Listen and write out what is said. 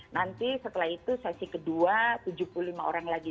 nanti setelah itu sesi kedua tujuh puluh lima orang lagi